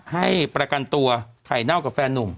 ให้ประกันตัวไข่เน่ากับแฟนนุ่ม